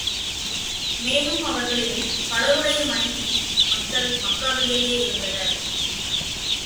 மேலும், அவர்களில் பலருடைய மனைவி, மக்கள் மக்காவிலேயே இருந்தனர்.